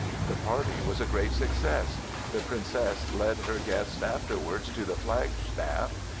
The party was a great success. The princess led her guests afterwards to the flag staff.